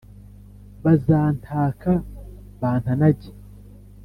Bazantaka bantanage